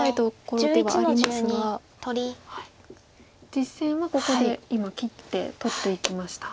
実戦はここで今切って取っていきました。